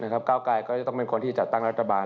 ก้าวไกรก็จะต้องเป็นคนที่จัดตั้งรัฐบาล